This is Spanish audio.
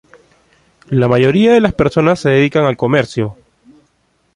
La mayoría de las personas se dedican al comercio.